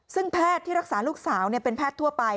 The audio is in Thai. ซึ่งแพทย์ที่รักษาลูกสาวเป็นแพทย์ทั่วไป